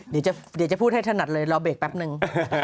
เดี๋ยวจะเอาเปรกแป๊บนึง